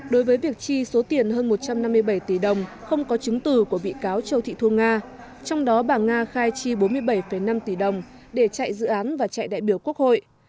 đối với việc chi số tiền hơn một trăm năm mươi bảy tỷ đồng không có chứng từ của bị cáo châu thị thu nga trong đó bà nga khai chi bốn mươi bảy năm tỷ đồng để chạy dự án và chạy đại biểu quốc hội